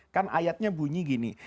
kan ayatnya bunyi gini